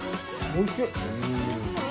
おいしい！